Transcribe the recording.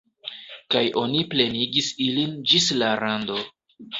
Kaj oni plenigis ilin ĝis la rando.